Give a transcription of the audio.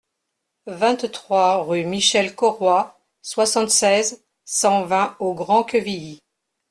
vingt-trois rue Michel Corroy, soixante-seize, cent vingt au Grand-Quevilly